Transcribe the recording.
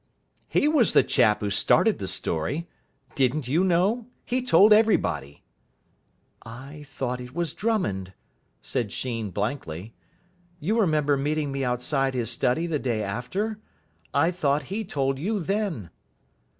"He was the chap who started the story. Didn't you know? He told everybody." "I thought it was Drummond," said Sheen blankly. "You remember meeting me outside his study the day after? I thought he told you then."